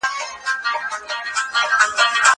زه اوږده وخت ځواب ليکم.